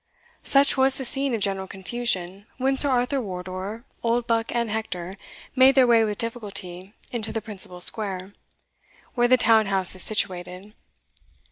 Such was the scene of general confusion, when Sir Arthur Wardour, Oldbuck, and Hector, made their way with difficulty into the principal square, where the town house is situated.